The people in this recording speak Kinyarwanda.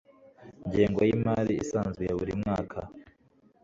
ngengo y imari isanzwe ya buri mwaka